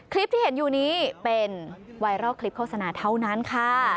คลิปที่เห็นอยู่นี้เป็นไวรัลคลิปโฆษณาเท่านั้นค่ะ